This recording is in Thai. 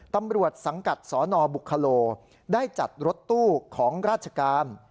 ตำรวจสังกัดสนบุคโลได้จัดรถตู้ของราชการ